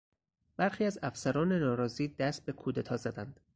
برخی از افسران ناراضی دست به کودتا زدند.